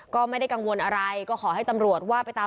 ก็ไม่ได้กังวลอะไรก็ขอให้ตำรวจว่าไปตาม